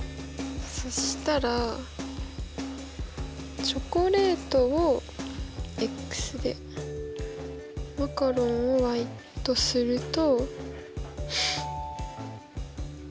そしたらチョコレートをでマカロンをとすると。